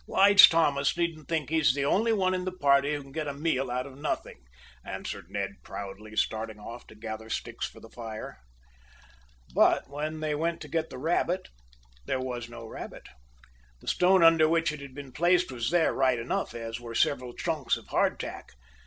Lige Thomas needn't think he's the only one in the party who can get a meal out of nothing," answered Ned proudly, starting off to gather sticks for the fire. But when they went to get the rabbit there was no rabbit. The stone under which it had been placed was there right enough, as were several chunks of hard tack.